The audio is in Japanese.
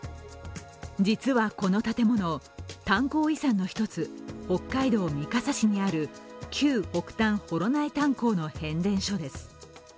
実はこの建物、炭鉱遺産の一つ北海道三笠市にある旧北炭幌内炭鉱の変電所です。